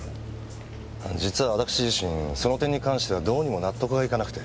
実は私自身その点に関してはどうにも納得がいかなくて。